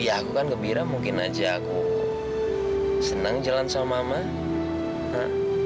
ya aku kan gembira mungkin aja aku senang jalan sama mama